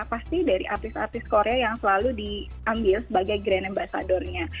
pasti dari artis artis korea yang selalu diambil sebagai grand ambasadornya